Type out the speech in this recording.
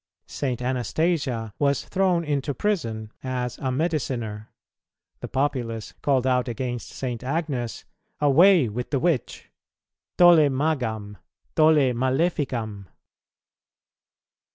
St. Anastasia was thrown into prison as a mediciner; the populace called out against St. Agnes, "Away with the witch," Tolle magam, tolle maleficam.